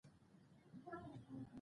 جانان زما، زه د جانان يم